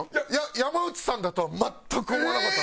山内さんだとは全く思わなかったです。